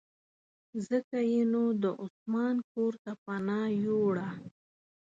ځکه یې نو د عثمان کورته پناه یووړه.